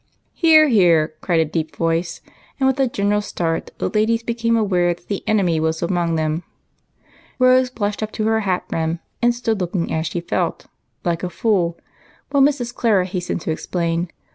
" Hear, hear," cried a deep voice, and with a general start the ladies became aware that the enemy was among them. FASHION AND PHYSIOLOGY. 207 Rose blushed up to her hat brim, and stood, looking, as she felt, like a fool, while Mrs. Clara hastened to explain.